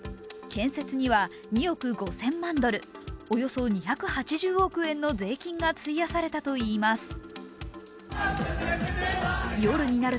建設には２億５０００万ドル、およそ２８０億円の税金が費やされたといいます。